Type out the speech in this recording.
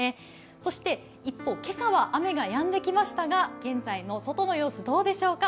そして一方、今朝は雨がやんできましたが、現在の外の様子どうでしょうか？